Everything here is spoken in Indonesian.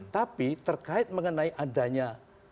tapi terkait mengenai adanya